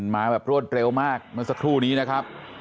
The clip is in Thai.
มาแบบรวดเร็วมากเมื่อสักครู่นี้นะครับ